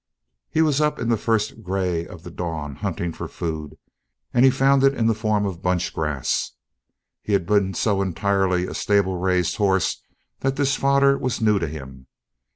He was up in the first grey of the dawn hunting for food and he found it in the form of bunchgrass. He had been so entirely a stable raised horse that this fodder was new to him.